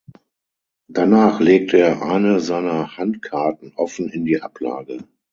Danach legt er eine seiner Handkarten offen in die Ablage.